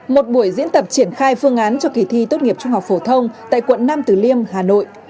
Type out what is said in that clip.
một buổi diễn tập triển khai phương án cho kỳ thi tốt nghiệp trung học phổ thông tại quận nam tử liêm hà nội